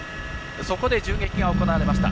そこで銃撃が行われました。